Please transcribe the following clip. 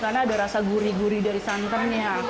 karena ada rasa gurih gurih dari santannya